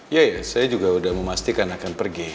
ya ya saya juga udah memastikan akan pergi